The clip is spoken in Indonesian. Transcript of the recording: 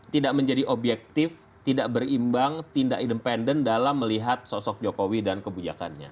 tidak menjadi objektif tidak berimbang tidak independen dalam melihat sosok jokowi dan kebijakannya